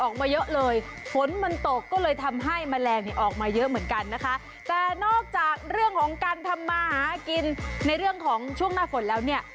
ออกมาเยอะเลยฝนมันตกก็เลยทำให้แมลงเนี่ยออกมาเยอะเหมือนกันนะคะแต่นอกจากเรื่องของการทำมาหากินในเรื่องของช่วงหน้าฝนแล้วเนี่ย